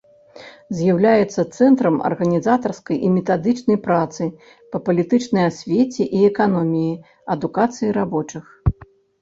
З'яўляецца цэнтрам арганізатарскай і метадычнай працы па палітычнай асвеце і эканоміі, адукацыі рабочых.